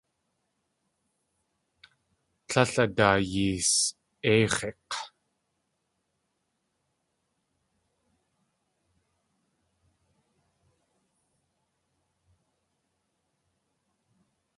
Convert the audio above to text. Líl a daa yees.éix̲ik̲!